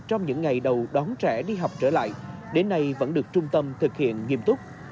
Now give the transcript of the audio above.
trong những ngày đầu đón trẻ đi học trở lại đến nay vẫn được trung tâm thực hiện nghiêm túc